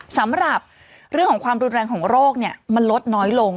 สำหรับเรื่องของความรุนแรงของโรคเนี่ยมันลดน้อยลง